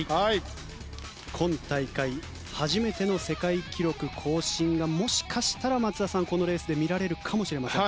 今大会初めての世界記録更新がもしかしたら松田さん、このレースで見られるかもしれません。